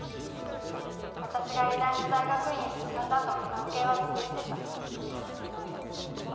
私が医大の大学院に進んだ後も関係は続いてた。